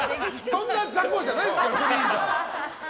そんな雑魚じゃないですからフリーザは。